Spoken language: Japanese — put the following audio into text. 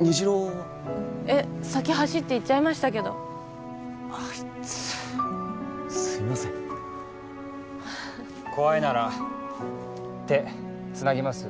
虹朗はえっ先走って行っちゃいましたけどあいつすいません怖いなら手つなぎます？